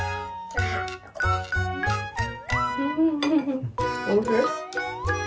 フフフおいしい？